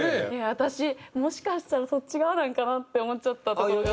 私もしかしたらそっち側なんかなって思っちゃったところが。